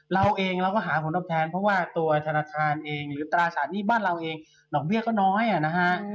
เราเองเราก็หาผลทัพแทนเพราะว่าตัวธนภาษาเองหรือแล้วก็นอกเบี้ยก็น้อยอะนะฮะ